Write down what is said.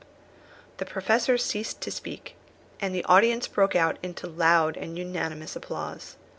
The Professor ceased to speak, and the audience broke out into loud and unanimous applause.